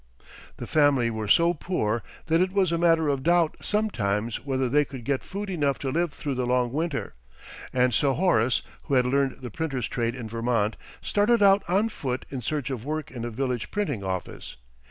The family were so poor that it was a matter of doubt sometimes whether they could get food enough to live through the long winter; and so Horace, who had learned the printer's trade in Vermont, started out on foot in search of work in a village printing office.